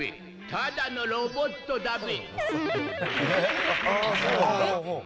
ただのロボットだべ。